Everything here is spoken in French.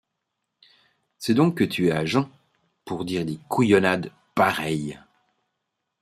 C’est donc que tu es à jeun, pour dire des couillonnades pareilles!